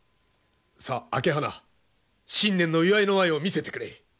さあ朱鼻新年の祝いの舞を見せてくれ。